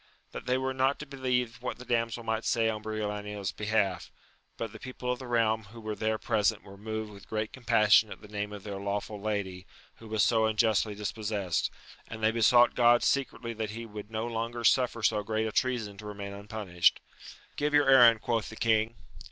That they were not to believe what the damsel might say on Briolania's behalf : but the people of the realm who were there present were moved with great compassion at the name of their lawful lady, who was so unjustly dispossessed, and they besought God secretly that he would no longer suffer so great a treason to remain unpunished. Give your errand, quoth the king.